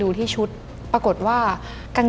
ดิงกระพวน